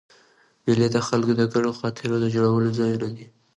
مېلې د خلکو د ګډو خاطرو د جوړولو ځایونه دي.